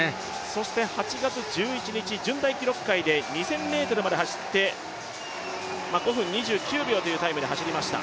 そして８月１１日、順大記録会で２０００ｍまで走って、５分２９秒というタイムで走りました。